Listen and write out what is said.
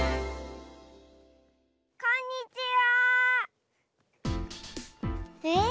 こんにちは！え？